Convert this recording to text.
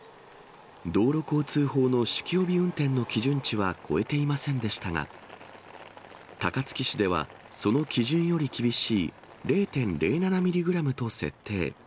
道路交通法の酒気帯び運転の基準値は超えていませんでしたが、高槻市では、その基準より厳しい０．０７ミリグラムと設定。